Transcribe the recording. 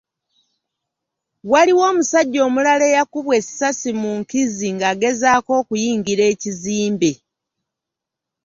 Waliwo omusajja omulala eyakubwa essasi mu nkizi ng’agezaako okuyingira ekizimbe .